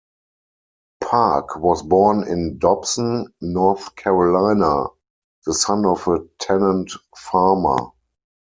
Park was born in Dobson, North Carolina, the son of a tenant farmer.